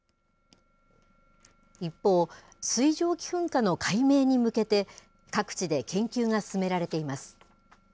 一方、水蒸気噴火の解明に向けて、各地で研究が進められています。